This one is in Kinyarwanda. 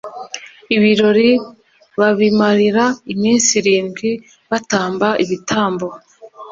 ibirori babimarira iminsi irindwi batamba ibitambo